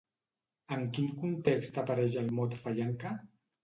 En quin context apareix el mot fallanca?